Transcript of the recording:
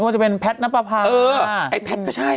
ว่าจะเป็นแพทนับภาพค่ะเออไอ้แพทก็ใช่